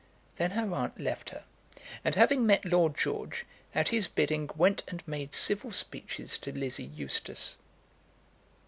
Then her aunt left her, and, having met Lord George, at his bidding went and made civil speeches to Lizzie Eustace.